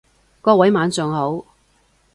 各位晚上好